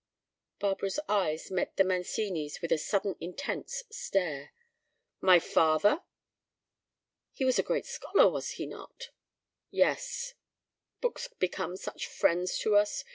Barbara's eyes met the Mancini's with a sudden intense stare. "My father?" "He was a great scholar, was he not?" "Yes." "Books become such friends to us!